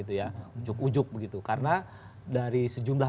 ujuk ujuk begitu karena dari sejumlah